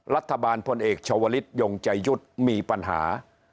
รัฐบาลพลเอกชวลิศยงใจยุทธ์มีปัญหา